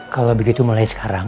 kalau begitu mulai sekarang